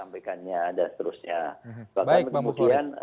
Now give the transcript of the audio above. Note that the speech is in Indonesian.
baik mbak bukhori